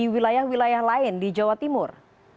wilayah wilayah lain di jawa timur